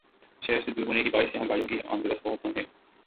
شہر سے دور ہونے کے باعث یہاں گاڑیوں کی آمدورفت بہت کم ہے